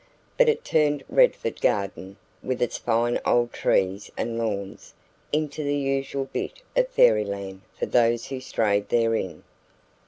But it turned Redford garden, with its fine old trees and lawns, into the usual bit of fairyland for those who strayed therein.